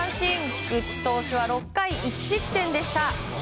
菊池投手は６回１失点でした。